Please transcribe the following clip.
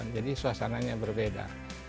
jadi suasananya berbeda